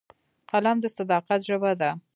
قلم د صداقت ژبه ده